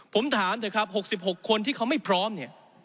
ผมถามเถอะครับ๖๖คนที่เขาไม่พร้อมเนี่ย